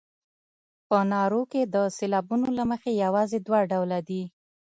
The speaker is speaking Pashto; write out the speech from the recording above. په نارو کې د سېلابونو له مخې یوازې دوه ډوله دي.